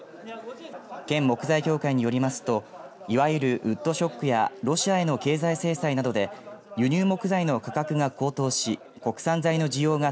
県木材協会によりますといわゆるウッドショックやロシアへの経済制裁などで輸入木材の価格が高騰し国産材の需要が